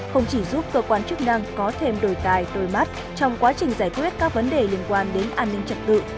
không chỉ giúp cơ quan chức năng có thêm đồi tài đôi mắt trong quá trình giải quyết các vấn đề liên quan đến an ninh trật tự